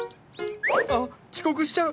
あ遅刻しちゃう！